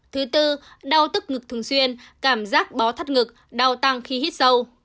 thứ tư đau tức ngực thường xuyên cảm giác bó thắt ngực đau tăng khi hít sâu